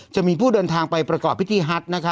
จะมีผู้เดินทางไปประกอบพิธีฮัท